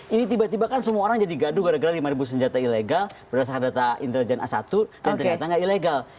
ini tiba tiba kan semua orang jadi gaduh gara gara lima senjata ilegal berdasarkan data intelijen a satu dan ternyata nggak ilegal